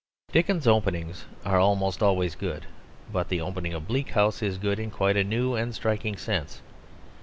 Dickens's openings are almost always good; but the opening of Bleak House is good in a quite new and striking sense.